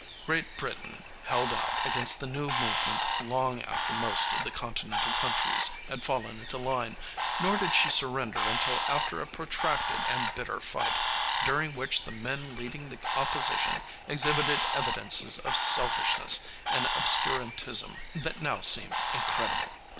Great Britain held out against the new movement long after most of the continental countries had fallen into line, nor did she surrender until after a protracted and bitter fight, during which the men leading the opposition exhibited evidences of selfishness and obscurantism that now seem incredible.